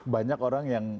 banyak orang yang